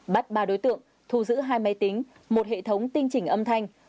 bắt ba đối tượng thu giữ hai máy tính một hệ thống tinh chỉnh âm thanh